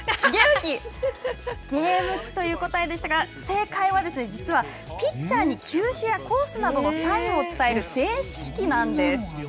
ゲーム機という答えでしたが正解は実はピッチャーに球種やコースなどのサインを伝える電子機器なんです。